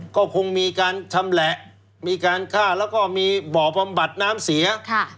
ก็คงมีการชำแหละมีการฆ่าแล้วก็มีบ่อบำบัดน้ำเสีย